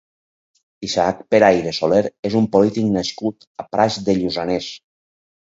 Isaac Peraire Soler és un polític nascut a Prats de Lluçanès.